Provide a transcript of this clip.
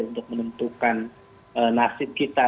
untuk menentukan nasib kita